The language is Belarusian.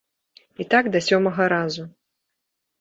І так да сёмага разу.